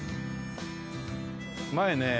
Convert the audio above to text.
前ね